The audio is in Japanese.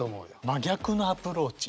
真逆のアプローチ。